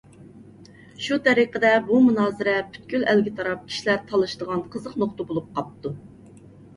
شۇ تەرىقىدە بۇ مۇنازىرە پۈتكۈل ئەلگە تاراپ كىشىلەر تالىشىدىغان قىزىق نۇقتا بولۇپ قاپتۇ.